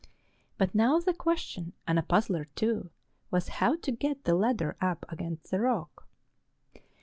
But now the question, and a puzzler, too, was how to get the ladder up against the rock.